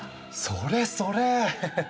それそれ。